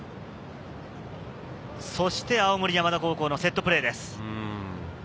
そして青森山田高校のセットプレーです。